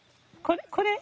これ？